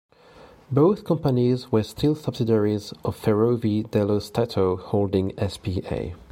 Both companies were still subsidiaries of Ferrovie dello Stato Holding SpA.